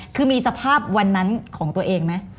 คือมีสภาพวันนั้นของตัวเองไหม